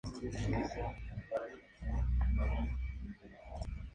La otra base, más pequeña, de la Guarda Costera se haya en Batumi.